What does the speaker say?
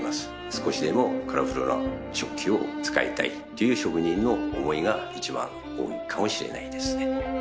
少しでもカラフルな食器を使いたいという職人の思いが一番多いかもしれないですね